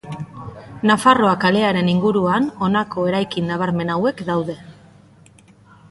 Nafarroa kalearen inguruan honako eraikin nabarmen hauek daude.